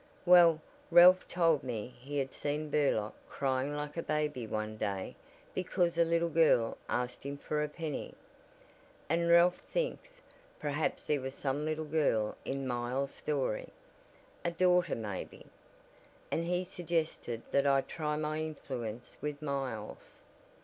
"Well, Ralph told me he had seen Burlock crying like a baby one day because a little girl asked him for a penny. And Ralph thinks perhaps there was some little girl in Miles' story, a daughter maybe and he suggested that I try my influence with Miles."